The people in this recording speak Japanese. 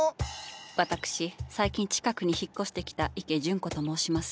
私最近近くに引っ越してきた池純子と申します。